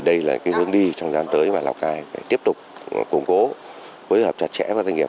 đây là hướng đi trong gian tới mà lào cai tiếp tục củng cố với hợp trạch trẻ và doanh nghiệp